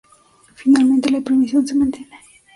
Finalmente la prohibición se mantiene.